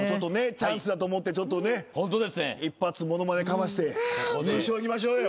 チャンスやと思ってちょっとね一発ものまねかまして優勝いきましょうよ。